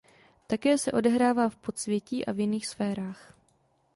Také se odehrává v Podsvětí a v jiných sférách.